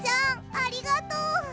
ありがとう！